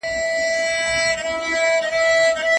ستا د ژبې کيفيت او معرفت دی